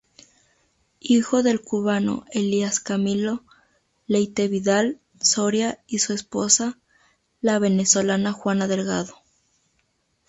Hijo del cubano Elías Camilo Leyte-Vidal Soria y su esposa, la venezolana Juana Delgado.